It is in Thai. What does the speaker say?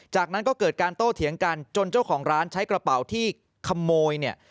จากนั้นก็เกิดการโต้เถียงกันจนเจ้าของร้านใช้กระเป๋าที่ขโมยเนี่ย